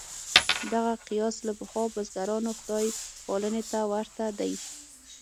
دغه قیاس له پخوا بزګرانو خدای پالنې ته ورته دی.